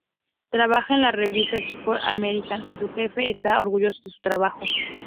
Trabaja en la revista Sports America y su jefe está orgulloso de su trabajo.